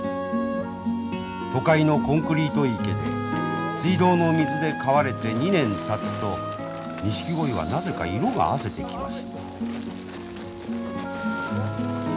都会のコンクリート池で水道の水で飼われて２年たつとニシキゴイはなぜか色があせてきます。